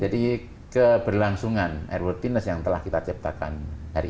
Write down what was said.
jadi keberlangsungan airworthiness yang telah kita ciptakan hari ini ini tetap kita maintain